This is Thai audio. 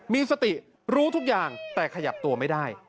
มีสติรู้ทุกอย่างแต่ขยับตัวไม่ได้